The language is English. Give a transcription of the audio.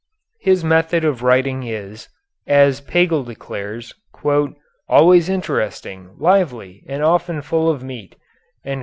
His method of writing is, as Pagel declares, "always interesting, lively, and often full of meat."